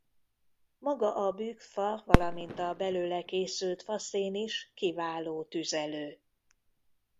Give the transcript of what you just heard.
Maga a bükkfa valamint a belőle készült faszén is kiváló tüzelő.